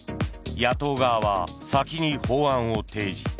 野党側は先に法案を提示。